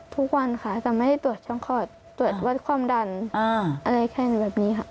ทุกวันค่ะจะไม่ได้ตรวจช่องคลอดตรวจวัดความดันอะไรแค่นี้แบบนี้ค่ะ